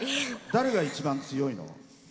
誰が一番強いの？